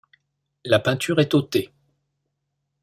La peinture est ôtée.